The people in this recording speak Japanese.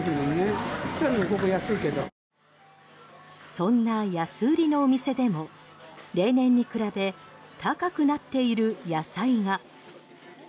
そんな安売りのお店でも例年に比べ高くなっている野菜が。